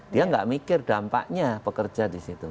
dia nggak mikir dampaknya pekerja di situ